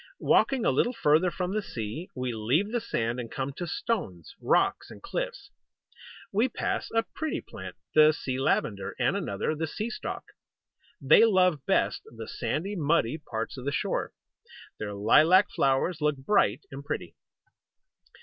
Walking a little farther from the sea, we leave the sand and come to stones, rocks and cliffs. We pass a pretty plant, the Sea Lavender, and another, the Sea Stock. They love best the sandy, muddy parts of the shore. Their lilac flowers look bright and pretty.